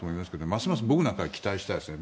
ますます僕なんかは期待したいですね。